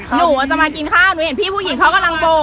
หนูจะมากินข้าวหนูเห็นพี่ผู้หญิงเขากำลังโก